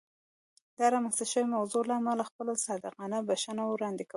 د رامنځته شوې موضوع له امله خپله صادقانه بښنه وړاندې کوم.